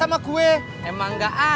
mam banduri rasa seb naar prana